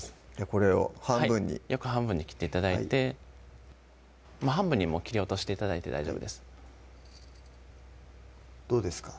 これを半分に横半分に切って頂いて真半分にもう切り落として頂いて大丈夫ですどうですか？